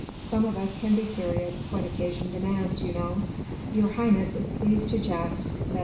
Some of us can be serious when occasion demands, you know." "Your Highness is pleased to jest," said M.